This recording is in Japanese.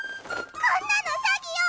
こんなの詐欺よ！